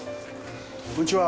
こんにちは。